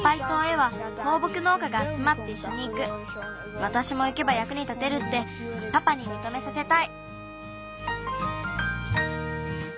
わたしもいけばやくに立てるってパパにみとめさせたい。